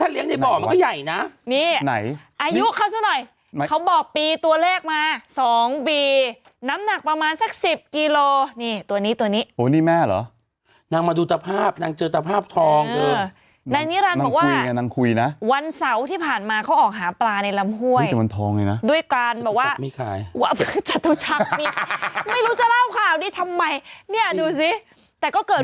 พระเอกดวงพระยายเย็นน่ะคุณแม่ก็โทรหาเขาเอาเลยพระเอกดวงพระยายเย็นน่ะคุณแม่ก็โทรหาเขาเอาเลยพระเอกดวงพระยายเย็นน่ะคุณแม่ก็โทรหาเขาเอาเลยพระเอกดวงพระยายเย็นน่ะคุณแม่ก็โทรหาเขาเอาเลยพระเอกดวงพระยายเย็นน่ะคุณแม่ก็โทรหาเขาเอาเลยพระเอกดวงพระยายเย็นน่ะคุณแม่ก็โทรห